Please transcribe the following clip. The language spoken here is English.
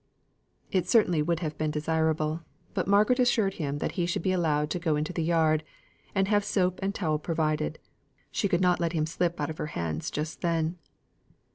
It certainly would have been desirable, but Margaret assured him he should be allowed to go into the yard, and have soap and towel provided; she would not let him slip out of her hands just then.